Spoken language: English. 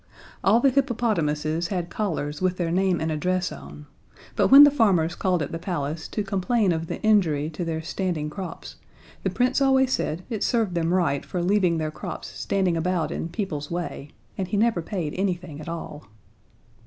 All the hippopotamuses had collars with their name and address on, but when the farmers called at the palace to complain of the injury to their standing crops, the Prince always said it served them right for leaving their crops standing about in people's way, and he never paid anything at all.